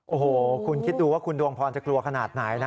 โอ้โหคุณคิดดูว่าคุณดวงพรจะกลัวขนาดไหนนะ